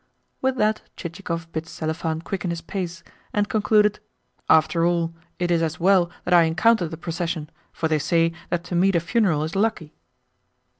With that Chichikov bid Selifan quicken his pace, and concluded: "After all, it is as well that I encountered the procession, for they say that to meet a funeral is lucky."